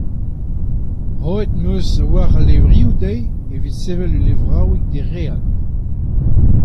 Roet em eus a-walc'h a levrioù dezhi evit sevel ul levraoueg dereat.